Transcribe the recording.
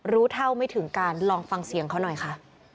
รู้เท่าไม่ถึงการลองฟังเสียงเขาหน่อยค่ะ